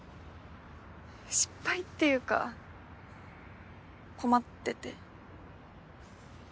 失敗っていうか困ってて。